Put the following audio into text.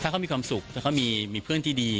เขารู้